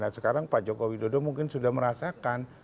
nah sekarang pak joko widodo mungkin sudah merasakan